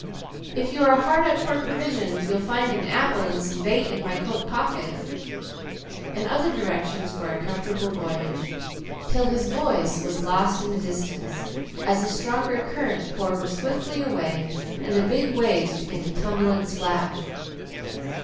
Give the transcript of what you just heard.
If you are hard up for provisions, you'll find an apple and some bait in my coat pocket," and other directions for a comfortable voyage, till his voice was lost in the distance as a stronger current bore her swiftly away and the big waves began to tumble and splash.